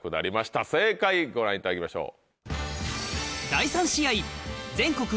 正解ご覧いただきましょう。